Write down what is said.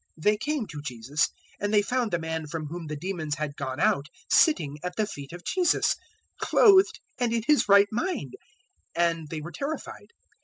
They came to Jesus, and they found the man from whom the demons had gone out sitting at the feet of Jesus, clothed and in his right mind; and they were terrified.